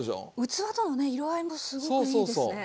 器との色合いもすごくいいですね。